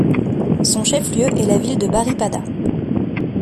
Son chef-lieu est la ville de Baripada.